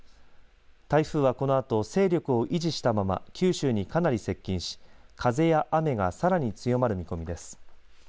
台風はこのあと勢力を維持したまま九州にかなり接近し風や雨がさらに強まる見込みです。